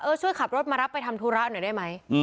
ช่วยขับรถมารับไปทำธุระหน่อยได้ไหม